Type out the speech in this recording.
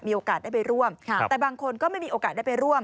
มีโอกาสได้ไปร่วมแต่บางคนก็ไม่มีโอกาสได้ไปร่วม